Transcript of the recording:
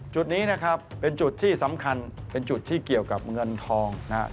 จุดนี้นะครับเป็นจุดที่สำคัญเป็นจุดที่เกี่ยวกับเงินทองนะครับ